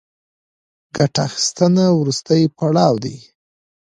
ګټه اخیستنه وروستی پړاو دی